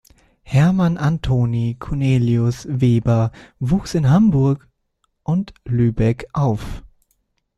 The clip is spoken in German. Hermann Anthony Cornelius Weber wuchs in Hamburg und Lübeck auf.